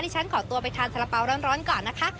ที่ฉันขอตัวไปทานฉราเปาร้อนก่อนนะคะ